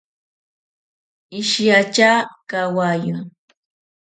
Ishiatya kawayo.